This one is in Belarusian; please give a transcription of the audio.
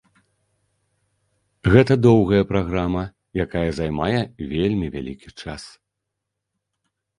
Гэта доўгая праграма, якая займае вельмі вялікі час.